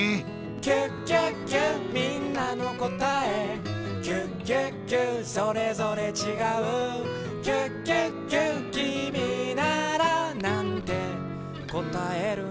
「キュキュキュみんなのこたえ」「キュキュキュそれぞれちがう」「キュキュキュきみならなんてこたえるの？」